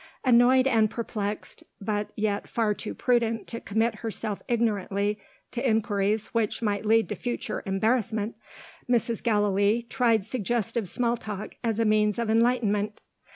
Annoyed and perplexed but yet far too prudent to commit herself ignorantly to inquiries which might lead to future embarrassment Mrs. Gallilee tried suggestive small talk as a means of enlightenment.